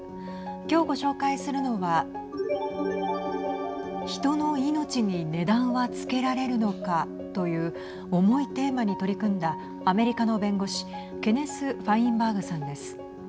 今日ご紹介するのは人の命に値段はつけられるのかという重いテーマに取り組んだアメリカの弁護士ケネス・ファインバーグさんです。